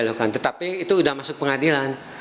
dilakukan tetapi itu sudah masuk pengadilan